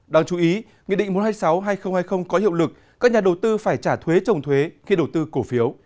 đáng chú ý nghị định một trăm hai mươi sáu hai nghìn hai mươi có hiệu lực các nhà đầu tư phải trả thuế trồng thuế khi đầu tư cổ phiếu